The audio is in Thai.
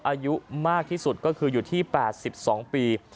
อายุมากที่สุดก็คืออยู่ที่๘๒ปี